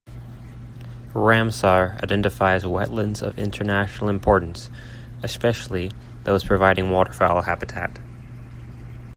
Ramsar identifies wetlands of international importance, especially those providing waterfowl habitat.